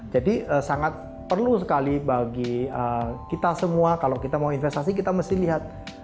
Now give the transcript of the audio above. jadi sangat perlu sekali bagi kita semua kalau kita mau investasi kita mesti lihat